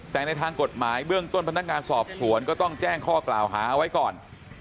แต่ในทางกฎหมายเบื้องต้นพนักงานสอบสวนก็ต้องแจ้งข้อกล่าวหาไว้ก่อน